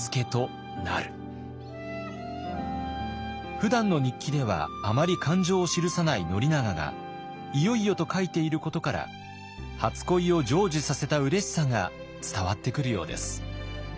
ふだんの日記ではあまり感情を記さない宣長が「いよいよ」と書いていることから初恋を成就させたうれしさが伝わってくるようです。